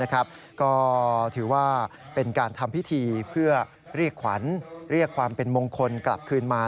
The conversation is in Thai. ก็ถือว่าเป็นการทำพิธีเพื่อเรียกขวัญเรียกความเป็นมงคลกลับคืนมา